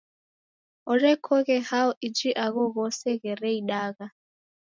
Orekoghe hao iji agho ghose ghereidagha?